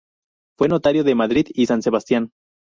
Fue notario de Madrid y San Sebastián.